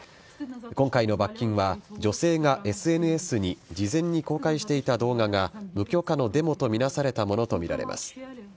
今回の罰金は、女性がＳＮＳに事前に公開していた動画が、無許可のデモと見なされたものと見られます。